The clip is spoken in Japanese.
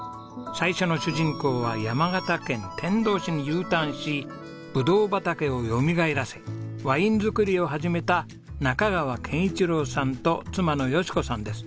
最初の主人公は山形県天童市にＵターンしブドウ畑をよみがえらせワイン造りを始めた中川憲一郎さんと妻の淑子さんです。